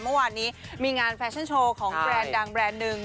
เมื่อวานนี้มีงานแฟชั่นโชว์ของแบรนด์ดังแรนด์หนึ่ง